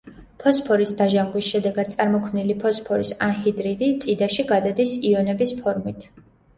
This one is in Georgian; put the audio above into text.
ფოსფორის დაჟანგვის შედეგად წარმოქმნილი ფოსფორის ანჰიდრიდი წიდაში გადადის იონების ფორმით.